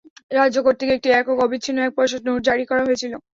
রাজ্য কর্তৃক একটি একক, অবিচ্ছিন্ন এক পয়সা নোট জারি করা হয়েছিল।